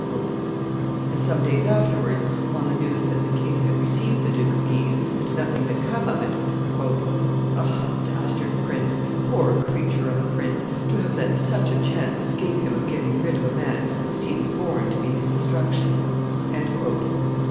And some days afterwards, on the news that the king had received the Duke of Guise and nothing had come of it, "Ah, dastard prince! poor creature of a prince, to have let such a chance escape him of getting rid of a man who seems born to be his destruction!" [De Thou, t. x.